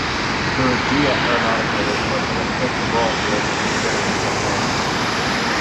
The Regia Aeronautica was put in a defensive role during the Sicilian Campaign.